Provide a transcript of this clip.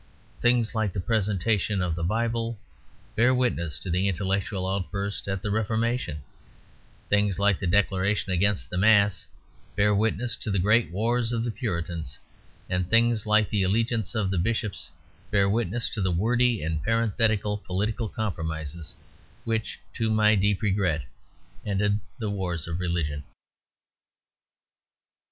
Things like the presentation of the Bible bear witness to the intellectual outburst at the Reformation; things like the Declaration against the Mass bear witness to the great wars of the Puritans; and things like the allegiance of the Bishops bear witness to the wordy and parenthetical political compromises which (to my deep regret) ended the wars of religion.